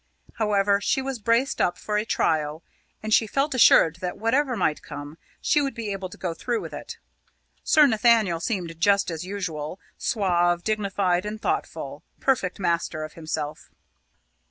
However, she was braced up for a trial, and she felt assured that whatever might come she would be able to go through with it. Sir Nathaniel seemed just as usual suave, dignified, and thoughtful perfect master of himself.